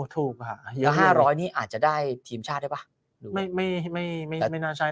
ถูกค่ะแล้ว๕๐๐นี่อาจจะได้ทีมชาติได้ป่ะไม่ไม่ไม่ไม่น่าใช่